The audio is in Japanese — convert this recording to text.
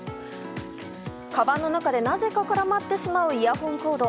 かばんの中でなぜか絡まってしまうイヤホンコード。